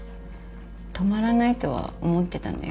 止まらないとは思ってたのよ。